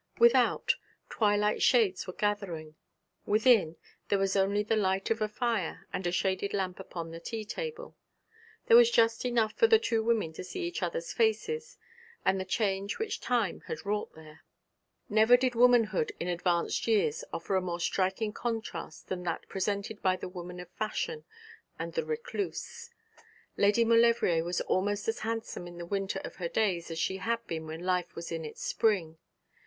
Without, twilight shades were gathering; within, there was only the light of a fire and a shaded lamp upon the tea table; there was just light enough for the two women to see each other's faces, and the change which time had wrought there. Never did womanhood in advanced years offer a more striking contrast than that presented by the woman of fashion and the recluse. Lady Maulevrier was almost as handsome in the winter of her days as she had been when life was in its spring.